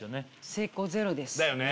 成功ゼロですだよね